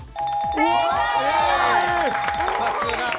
正解です。